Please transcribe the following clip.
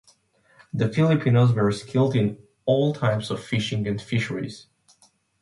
The Filipinos were skilled in all types of fishing and fisheries.